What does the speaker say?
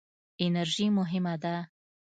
انرژي مهمه ده.